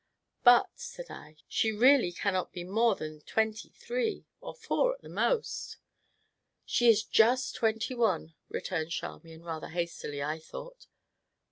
"But," said I, "she really cannot be more than twenty three or four at the most." "She is just twenty one!" returned Charmian, rather hastily, I thought.